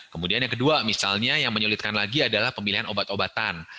kemudian yang kedua misalnya yang menyulitkan lagi adalah pemilihan obat obatan